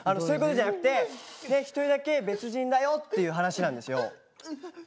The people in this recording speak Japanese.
そういうことじゃなくて一人だけ別人だよっていう話なんですよ。